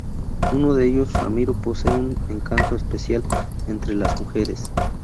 Uno de ellos, Ramiro, posee un encanto especial entre las mujeres.